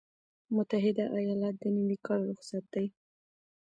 متحده ایالات - د نوي کال رخصتي